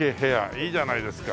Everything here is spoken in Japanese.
いいじゃないですか。